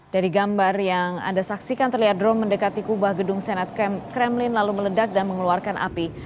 dari gambar yang anda saksikan terlihat drone mendekati kubah gedung senat kremlin lalu meledak dan mengeluarkan api